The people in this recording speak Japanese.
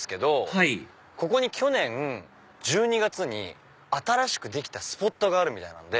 はいここに去年１２月に新しくできたスポットがあるみたいなんで。